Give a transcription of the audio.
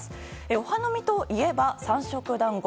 お花見といえば三色団子。